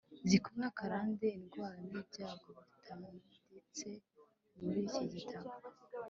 zikubeho akarande. Indwara n’ibyago bitanditse muri iki gitabo